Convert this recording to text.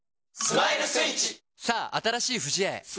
さあ、新しい不二家へ。